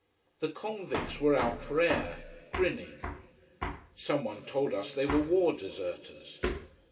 The convicts were out for air: grinning. Someone told us they were war deserters.